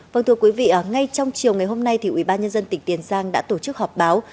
vâng thưa quý vị ngay trong chiều ngày hôm nay ủy ban nhân dân tỉnh tiền giang đã tổ chức họp báo